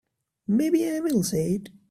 Maybe I will say it.